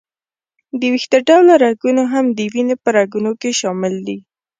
د وېښته ډوله رګونه هم د وینې په رګونو کې شامل دي.